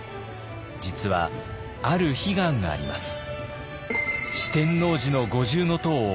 実はある悲願があります。